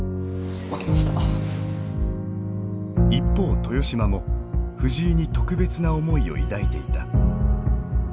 一方豊島も藤井に特別な思いを抱いていた。